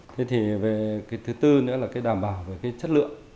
thế thì về cái thứ tư nữa là cái đảm bảo về cái chất lượng